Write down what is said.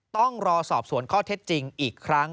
ต้องรอสอบสวนข้อเท็จจริงอีกครั้ง